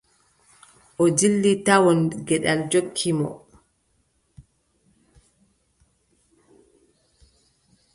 O dilli tawon geɗal jokki mo.